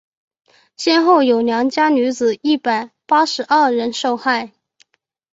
先后有良家女子一百八十二人受害。